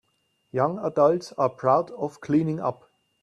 Young adults are proud of cleaning up.